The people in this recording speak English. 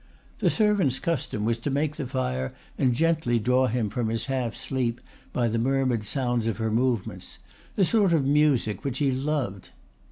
The servant's custom was to make the fire and gently draw him from his half sleep by the murmured sound of her movements, a sort of music which he loved.